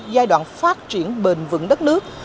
giai đoạn phát triển bền vững đất nước